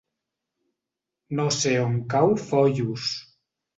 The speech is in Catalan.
No sé on cau Foios.